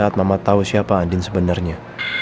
tau siapa andin sebenernya